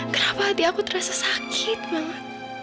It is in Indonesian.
kenapa hati aku terasa sakit banget